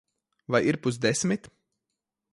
Vai ir pusdesmit?